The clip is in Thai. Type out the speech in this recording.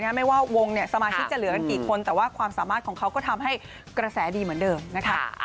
แต่ถ้าเท่าที่รู้เนี่ยมันน่าจะรับเพิ่มยังไม่มีแน่นอน